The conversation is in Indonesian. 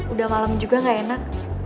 udah malam juga gak enak